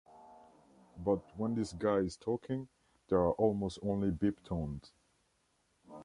But when this guy is talking, there are almost only beep tones.